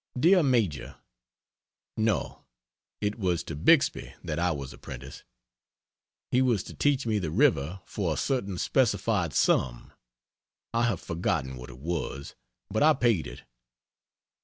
DEAR MAJOR, No: it was to Bixby that I was apprenticed. He was to teach me the river for a certain specified sum. I have forgotten what it was, but I paid it.